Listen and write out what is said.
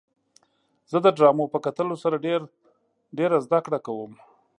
زه د ډرامو په کتلو سره ډېره زدهکړه کوم.